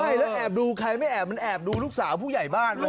ใช่แล้วแอบดูใครไม่แอบมันแอบดูลูกสาวผู้ใหญ่บ้านไหม